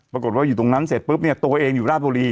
ปรากฏว่าอยู่ตรงนั้นเสร็จปุ๊บเนี่ยตัวเองอยู่ราชบุรี